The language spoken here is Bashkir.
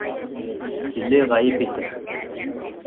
Тиле ғәйеп итер